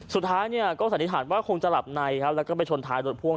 สุดท้ายเนี่ยก็สันนิษฐานว่าคงจะหลับในครับแล้วก็ไปชนท้ายรถพ่วง